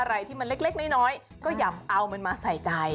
อะไรที่มันเล็กน้อยก็อย่าเอามันมาใส่ใจ